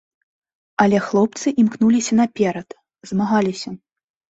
Але хлопцы імкнуліся наперад, змагаліся.